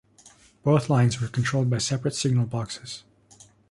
Both lines were controlled by separate signal boxes.